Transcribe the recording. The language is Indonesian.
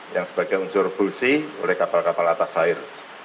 yang sebagai unsur bulsi oleh kapal kapal atas air